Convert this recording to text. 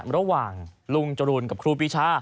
ระหว่างรุ่งจรูลกับครูปิชา